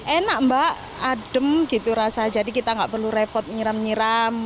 enak mbak adem gitu rasa jadi kita nggak perlu repot nyiram nyiram